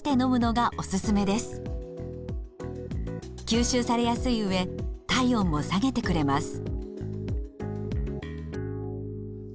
吸収されやすいうえ体温も下げてくれます。